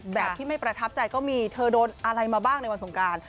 แบบที่ไม่ประทับใจก็มีเธอโดนอะไรมาบ้างในวันสงการ